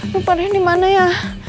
lupa deh ini mana ya